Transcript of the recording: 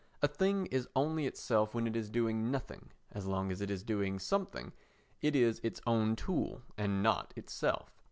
A thing is only itself when it is doing nothing; as long as it is doing something it is its own tool and not itself.